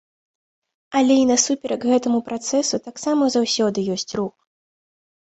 Але і насуперак гэтаму працэсу таксама заўсёды ёсць рух.